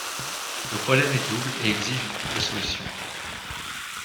Le problème est double et exige une double solution.